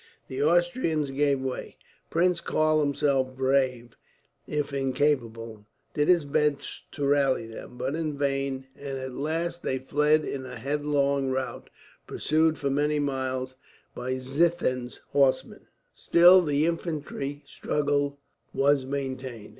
The Austrians gave way. Prince Karl himself, brave if incapable, did his best to rally them, but in vain; and at last they fled in headlong rout, pursued for many miles by Ziethen's horsemen. Still the infantry struggle was maintained.